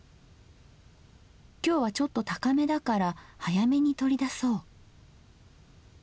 今日はちょっと高めだから早めに取り出そう。